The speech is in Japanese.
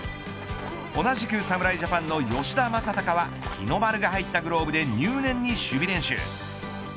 同じく侍ジャパンの吉田正尚は日の丸が入ったグローブで入念に守備練習。